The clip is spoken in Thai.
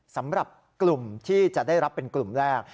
สำหรับกลุ่มที่จะได้รับเป็นกลุ่มแรก